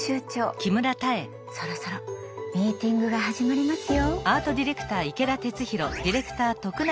そろそろミーティングが始まりますよ。